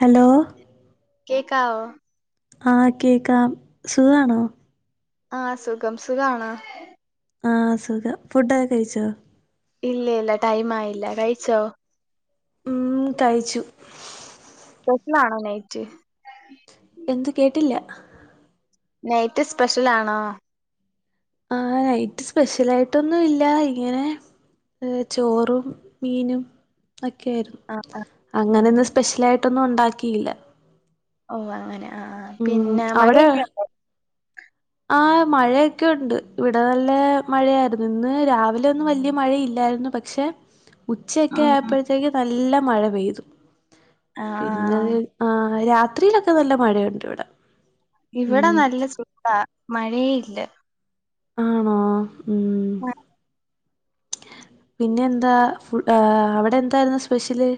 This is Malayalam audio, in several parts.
ഹലോ കേൾക്കാവോ ആ കേക്കാം സുഖാണോ ആഹ് സുഖം സുഖാണോ ആഹ് സുഖം ഫുഡൊക്കേ കഴിച്ചോ ഇല്ല ഇല്ല ടൈം ആയില്ല കഴിച്ചോ ഉം കഴിച്ചു [unintelligible] ആണോ നൈറ്റ്‌ എന്ത് കേട്ടില്ല നൈറ്റ് സ്പെഷ്യൽ ആണോ ആഹ് നൈറ്റ് സ്പെഷ്യൽ ആയിട്ടൊന്നും ഇല്ല ഇങ്ങനെ ചോറും മീനും ഒക്കൊയിരുന്നു ആഹ് ആഹ് ഉം അങ്ങനൊന്നും സ്പെഷ്യലായിട്ടൊന്നും ഉണ്ടാക്കിയില്ല ഓ അങ്ങനെ ആഹ് ഉം പിന്നെ മഴയൊക്കെയുണ്ടോ ആഹ് മഴയൊക്കെ ഉണ്ട് ഇവിടെ നല്ല മഴയായിരുന്നു ഇന്ന് രാവിലെ ഒന്നും വല്യ മഴയില്ലായിര് ന്നു പക്ഷെ ഉച്ചയൊക്കെ ഉം ആയപ്പോഴത്തേക്ക് നല്ല മഴ പെയ്തു പിന്നത് ആഹ് ആഹ് രാത്രിയിലൊക്കെ നല്ല മഴയുണ്ട് ഇവിടെ ഇവിടെ ഉം നല്ല സുഖാ മഴേ ഇല്ല ആണോ ഉം പിന്നെ എന്താ ഫു അവിടെ എന്തായിരുന്നു സ്പെഷ്യല്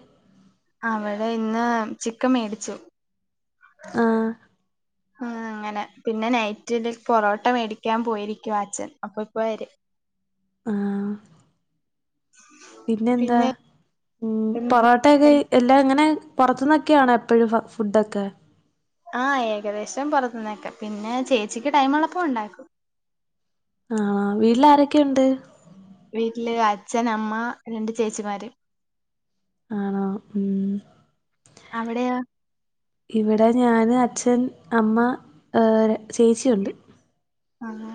അവിടെ ഇന്ന് ചിക്കൻ മേടിച്ചു ആഹ് ആഹ് അങ്ങനെ പിന്നെ നൈറ്റില് പൊറോട്ട മേടിക്കാൻ പോയിരിക്കുവാ അച്ഛൻ അപ്പൊ ഇപ്പൊ വരും ആഹ് പിന്നെ എന്താ ഉം പൊറോട്ട ട്ടക്കെ എല്ല ഇങ്ങനെ പുറത്ത്ന്നൊക്കെയാണോ എപ്പോഴും ഫുഡൊക്കെ ആഹ് ഏകദേശം പുറത്തു നിന്നൊക്കെ പിന്നെ ചേച്ചിക്ക് ടൈം ഉളപ്പൊ ഉണ്ടാക്കും ആഹ് വീട്ടിൽ ആരൊക്കെയുണ്ട് വീട്ടിൽ അച്ഛൻ അമ്മ രണ്ട് ചേച്ചിമാർ ആണോ ഉം അവിടെയോ ഇവിടെ ഞാൻ അച്ഛൻ അമ്മ ചേച്ചിയുണ്ട് അങ്ങനെ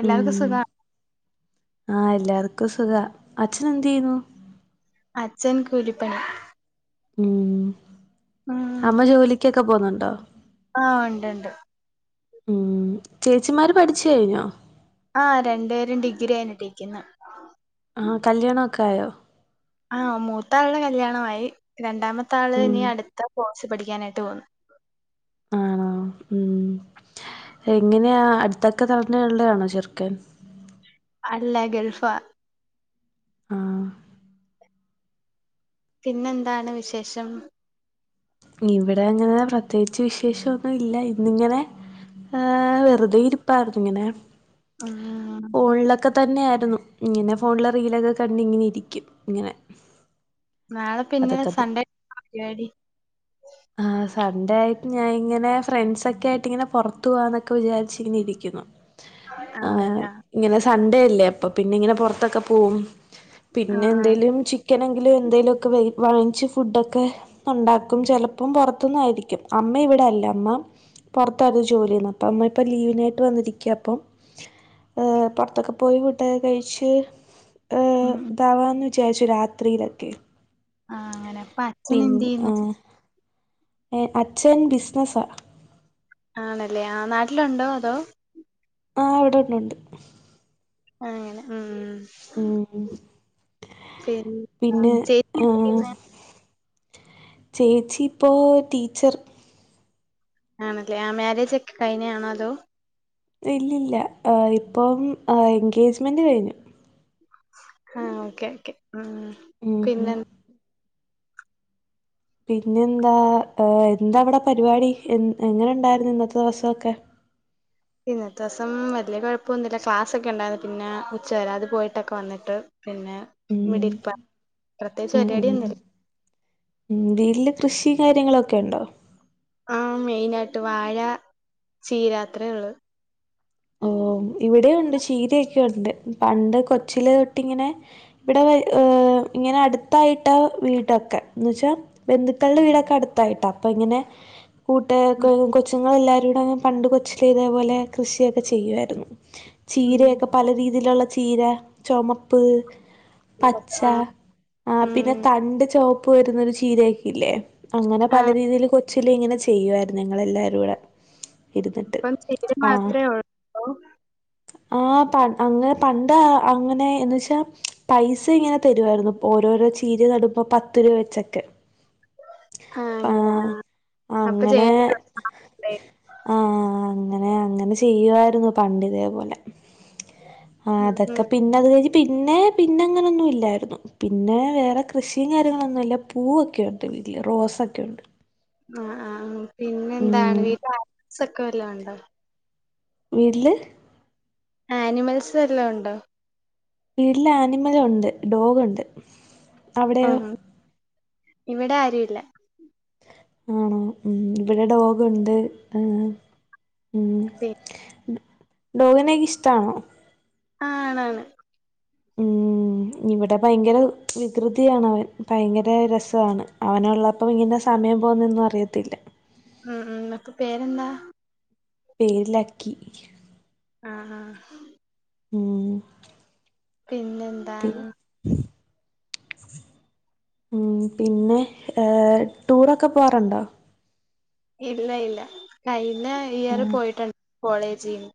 എല്ലാവർക്കും ഉം സുഖാ ആഹ് എല്ലാർക്കും സുഖാ അച്ഛൻ എന്ത് ചെയ്യുന്നു അച്ഛൻ കൂലിപ്പണി ഉം ഉം അമ്മ ജോലിക്കൊക്കെ പോന്നുണ്ടോ ആഹ് ഉണ്ട് ഉണ്ട് ഉം ചേച്ചിമാര് പഠിച്ചു കഴിഞ്ഞോ ആഹ് രണ്ടു പേരും ഡിഗ്രി കയിഞ്ഞിട്ടേക്കുന്നു ആഹ് കല്യാണൊക്കെ ആയോ ആഹ് മൂത്താളുടെ കല്യാണമായി രണ്ടാമത്തെ ആള് ഉം ഇനി അടുത്ത കോഴ്സ് പഠിക്കാനായിട്ട് പോന്നു ആണോ ഉം എങ്ങനെയാ അടുത്തൊക്കെ തന്നെ ഉള്ളതാണോ ചെറുക്കൻ അല്ല ഗൾഫ ആഹ് പിന്നെന്താണ് വിശേഷം ഇവിടെ അങ്ങനെ പ്രത്യേകിച്ച് വിശേഷൊന്നും ഇല്ല ഇന്നിങ്ങനെ- ആഹ് വെറുതെ ഇരിപ്പായിരുന്നു ഇങ്ങനെ ഉം ഫോണിലൊക്കെ തന്നെയായിരുന്നു ഇങ്ങനെ ഫോണിലെ റീലൊക്കെ കണ്ടിങ്ങനെ ഇരിക്കും ഇങ്ങനെ നാളെ പിന്നെ അതൊക്കെ സൺഡേ എന്താ പരിപാടി? ആഹ്- സൺഡേ ആയിട്ട് ഞാന് ഇങ്ങനെ ഫ്രണ്ട്സൊക്കെ ആയിട്ട് ഇങ്ങനെ പുറത്തു പോവാന്നൊക്കെ വിചാരിച്ചിങ്ങനെ ഇരിക്കുന്നു. ആ ആഹ് ആഹ് ഇങ്ങനെ സൺഡേ അല്ലേ അപ്പൊ പിന്നെ ഇങ്ങനെ പൊറത്തൊക്കെ പോവും. പിന്നെ ആഹ് എന്തേലും ചിക്കന് എങ്കിലും എന്തേലും ഒക്കെ വാങ്ങിച്ച് ഫുഡൊക്കെ- ഉണ്ടാക്കും ചെലപ്പം പുറത്ത്ന്നായിയിരിക്കും അമ്മ ഇവിടെ അല്ല അമ്മ പുറത്തായിത് ജോലി അപ്പോ അമ്മ ഇപ്പോൾ ലീവിനായിട്ട് വന്നിരിക്ക ഇപ്പം ഏഹ് പൊറത്തൊക്കെ പോയി ഫോഡൊക്കെ കഴിച്ച് ഉം ഇതാവാ എന്ന് വിചാരിച്ചു രാത്രിയിലൊക്കെ ആഹ് അങ്ങനെ പ്പ- പിന്നേഹ് അച്ഛൻ ബിസിനസ്സാ ആണല്ലേ ആ നാട്ടിലുണ്ടോ അതോ? ആഹ് ഇവിടെ ഉണ്ട് ഉണ്ട്- അങ്ങനെ ഉം. ഉംഹ് ഉംഹ് പിന്നെ പിന്നെ ചേച്ചി ആഹ് ചെയ്യുന്ന ചേച്ചി ഇപ്പോ ടീച്ചർ ആണല്ലേ ആ മാരേജ് ഒക്കെ കഴിഞ്ഞയാണോ അതോ? ഇല്ലില്ല ഇപ്പം എൻഗേജ്മെന്റ് കഴിഞ്ഞ്- ആഹ് ഓക്കെ ഓക്കെ ഉംഹ് ഉം പിന്നെ പിന്നെ എന്താ എന്താ അവിടെ പരിപാടി എൻ എങ്ങനെ ഉണ്ടായിരുന്നു ഇന്നത്തെ ദിവസൊക്കെ? ഇന്നത്തെ ദിവസം വലിയ കുഴപ്പമൊന്നുമില്ല ക്ലാസ്സൊക്കെ ഉണ്ടായിരുന്നു പിന്നെ ഉച്ച വരെ അത് പോയിട്ടൊക്കെ വന്നിട്ട് പിന്നെ ഇവിടെ ഉംഹ് ഇരിപ്പ പ്രത്യേകിച്ച് ഊഹുഹ പരിപാടിയൊന്നുമില്ല ഉം വീട്ടില് കൃഷി കാര്യങ്ങളൊക്കെ ഉണ്ടോ? ആഹ് മെയിനായിട്ട് വാഴ ചീരാ അത്രേ ഉള്ള്. ഓഹ് ഇവിടെ ഉണ്ട് ചീരയൊക്കെ ഉണ്ട് പണ്ട് കൊച്ചിലെ തൊട്ട് ഇങ്ങനെ ഇവിടെ ഏഹ് ഇങ്ങനെ അടുത്തായിട്ടാ വീടൊക്കെ എന്ന്ച്ച ബന്ധുക്കളുടെ വീടൊക്കെ അടുത്തായിട്ടാ അപ്പൊ ഇങ്ങനെ കൂട്ട ഉം കൊച്ചുങ്ങളെല്ലാരൂടെ പണ്ട് കൊച്ചിലെ ഇതേപോലെ കൃഷിയെക്കെ ചെയ്യുവാരുന്നു ചീരയൊക്കെ ഉം പലരീതിയിൽ ഉള്ള ചീര ചൊമപ്പ് പച്ച ആ ആഹ് പിന്നെ ഉം തണ്ട് ചുവപ്പ് വരുന്നൊരു ചീരയക്കെയില്ലേ അങ്ങനെ ആ പല രീതിയിൽ കൊച്ചില് ഇങ്ങനെ ചെയ്യായിരുന്നു ഞങ്ങള് എല്ലാരും കൂടെ. ഇരുന്നിട്ട് ഇപ്പൊ ചീര മാത്ര ഉള്ളോ? ആഹ് പ അങ്ങനെ പണ്ട് അങ്ങനെ എന്ന് വെച്ചാ പൈസ ഇങ്ങനെ തരുവാരുന്നു ഓരോരോ ചീര നടുമ്പോ പത്ത് രൂപ വെച്ചൊക്കെ- ആ അങ്ങനെ പാഹ് ആ അപ്പൊ അങ്ങനെ ചെയ്യാൻ ആഹ് അങ്ങനെ അങ്ങനെ ചെയ്യ ചെയ്യുവാരുന്നു പണ്ട് ഇതേപോലെ ഉം അതൊക്കെ ഉം പിന്നെ അത് കഴിഞ്ഞ് പിന്നെ പിന്നെ അങ്ങനെന്നും ഇല്ലാരുന്നു. പിന്നെ വേറെ കൃഷിയും കാര്യങ്ങളൊന്നുമില്ല പൂവൊക്കെയുണ്ട് വീട്ടില് റോസൊക്കെയുണ്ട്. ആഹ് ആഹ് പിന്നെ എന്താണ് ഉം വീട്ടില് അച്ച് ഒക്കെ വല്ലോം ഉണ്ടോ? വീട്ടില്? ആനിമൽസ് വല്ലോം ഉണ്ടോ? ഇല്ല ആനിമൽ ഉണ്ട് ഡോഗുണ്ട്. അവിടെയോ ആഹ് ഇവിടെ ആരുല്ല. ആണോ? ഉഹ് ഇവിടെ ഡോഗുണ്ട് ഉംഹ് പി ഡോഗിനെയൊക്കെ ഇഷ്ടാണോ? ആഹ്ഹ് ആണ് ആണ് ഉം ഇവിടെ ഭയങ്കര വികൃതിയാണവൻ ഭയങ്കര രസവാണ് അവനുള്ള അപ്പം ഇങ്ങിനെ സമയം പോവുന്നെന്നും അറിയത്തില്ല ഉം ഉം ന്നട്ട് പേരെന്താ പേര് ലക്കി അഹ് ആഹ് ഉം പി പിന്നെന്താണ് ഉം പിന്നെ ഏഹ് ടൂറൊക്കെ പോവാറുണ്ടോ പേര് ലൈല കയ്ന്ന ഇയർ ആഹ് പോയിട്ട് കോളേജീന്ന്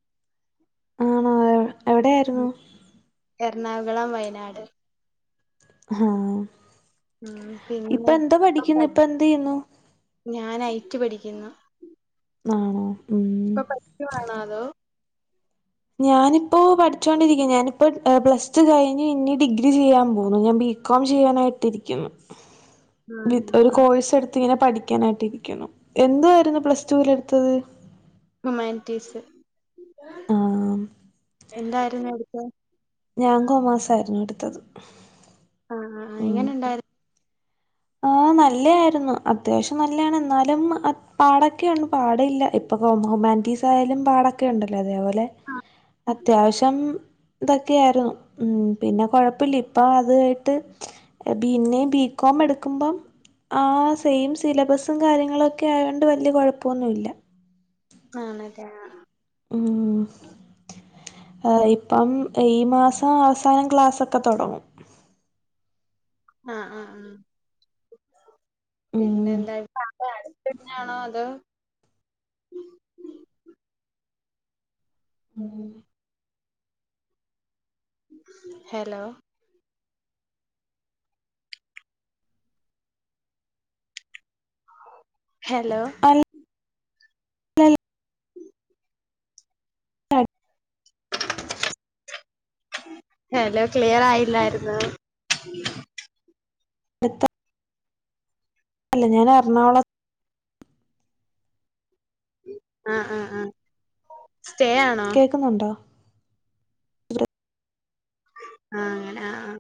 ആണോ എവിടെയായ്ര്ന്നു എർണാകുളം വയനാട് ആഹ് ഉം ഇപ്പം പിന്നെ എന്ത പഠിക്ക്ന്നെ ഇപ്പം എന്തെയ്യ്ന്നു ഞാൻ ഐറ്റ് പഠിക്കുന്നു ആണോ ഉം ഇപ്പ പസ്റ്റു വാണോ അതാേ ഞാനിപ്പോ പഠിച്ചോണ്ടിരിക്ക്ന്ന് ഞാനിപ്പോ ഏഹ് പ്ലസ് റ്റു കയ്ഞ്ഞ് ഇഞ്ഞ് ഡിഗ്രി ചെയ്യാൻ പോണ് ഞാൻ ബി ക്കോം ചെയ്യാനായിട്ടിരിക്ക്ന്ന് വിത് ആഹ് ഒര് ഉം കോഴ്സ് എട്ത്ത്ങ്ങെനെ പഠിക്കാനായിട്ടിരിക്കുന്നു എന്തുവായ്ര്ന്നു പ്ലസ്റ്റൂലെട്ത്തത്? ഹുമാൻറ്റീസ് ആഹ് എന്താര്ന്ന് എട്ത്തെത്? ഞാൻ കാെമേഴ്സാര്ന്നു എട്ത്തത് ആഹ് ആഹ് ആഹ് എങ്ങെനെണ്ടാര് ആഹ് നല്ലെ ആയ്ര്ന്നു അത്യാവശ്യം നല്ലെയാണ് ന്നാലും അ പാടാെക്കെയുണ്ട് പാടില്ല ഇപ്പ കോം ഹുമാൻറ്റീസായാലും പാടൊക്കെ ഒണ്ടല്ലോ അതേപോലെ ലെ അത്യാവ്ശം ഇതൊക്കെയായ്ര്ന്നു ഉം പിന്നെ കൊഴപ്പില്ല്യാ ഇപ്പ അത് ആയ്ട്ട് പിന്നേം ബീക്കേം എട് ക്ക്‌മ്പം ആ സെയിം സിലബസും കാര്യങ്ങളൊക്കെ ആയാേണ്ട് വെല്യെ കൊഴപ്പാെന്നു ഇല്ലാ ആണല്ലേ ആഹ് ആഹ് ഊം ആഹ് ഇപ്പം ഈ മാസം അവസാനം ക്ലാസ്സൊക്കെ തൊടങ്ങും ആഹ് ആഹ് ആഹ് പിന്നെ ഉം എന്താ [unintelligible] അട്ത്തെന്ന്യാണോ അതോ ഉം ഹെലോ ഹെലോ അൽ ലൽ [unintelligible] ഹെലോ ക്ലിയറായില്ലായിര്ന്നോ ട്ത്തൊ അല്ല ഞാനെർണാകുള ആഹ് ആഹ് ആഹ് സ്റ്റേ ആണോ? ക്കുന്നുണ്ടോ? ആഹ് അങ്ങെനെ ആഹ് ആഹ്